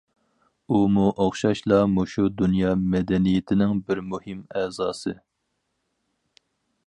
ئۇمۇ ئوخشاشلا مۇشۇ دۇنيا مەدەنىيىتىنىڭ بىر مۇھىم ئەزاسى.